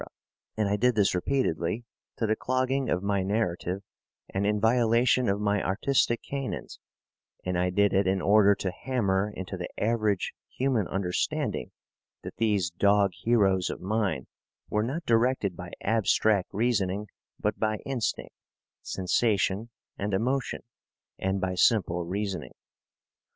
And I did this repeatedly, to the clogging of my narrative and in violation of my artistic canons; and I did it in order to hammer into the average human understanding that these dog heroes of mine were not directed by abstract reasoning, but by instinct, sensation, and emotion, and by simple reasoning.